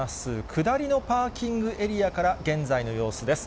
下りのパーキングエリアから現在の様子です。